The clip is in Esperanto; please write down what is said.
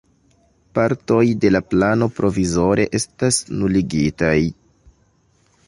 Partoj de la plano provizore estas nuligitaj.